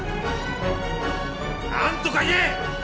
なんとか言え！